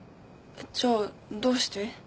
じゃあどうして？